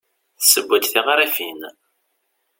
Tesseww-d tiɣrifin.